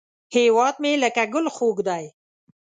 هیواد مې لکه ګل خوږ دی